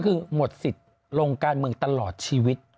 คือหมดสิทธิ์ลงการเมืองตลอดชีวิต